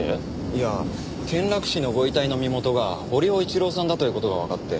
いや転落死のご遺体の身元が堀尾一郎さんだという事がわかって。